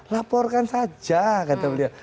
laporkan saja kata beliau